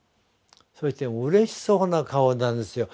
そしてうれしそうな顔なんですよ。